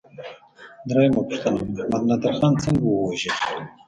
درېمه پوښتنه: محمد نادر خان څنګه ووژل شو؟